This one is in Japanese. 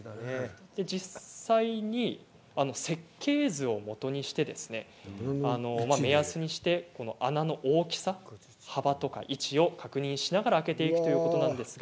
実際に設計図をもとにして目安にして穴の大きさ、幅とか位置を確認しながら開けていくということなんです。